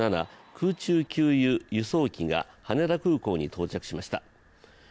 空中給油・輸送機が羽田空港に到着しました。